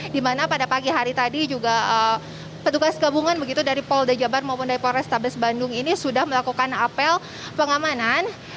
dimana pada pagi hari tadi juga petugas gabungan begitu dari pol dejabar maupun dari pol restables bandung ini sudah melakukan apel pengamanan